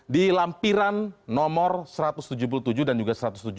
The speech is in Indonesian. di lampiran nomor satu ratus tujuh puluh tujuh dan juga satu ratus tujuh puluh